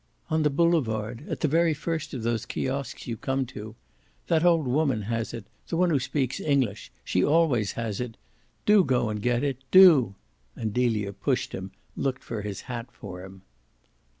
"On the boulevard, at the very first of those kiosks you come to. That old woman has it the one who speaks English she always has it. Do go and get it DO!" And Delia pushed him, looked for his hat for him.